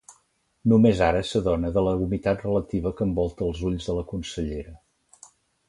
Només ara s'adona de la humitat relativa que envolta els ulls de la consellera.